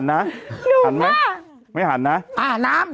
กระดาษที่ยัดในท้าวนั่นจะจับดูใช่ไหมถุงเท้าหรือเปล่า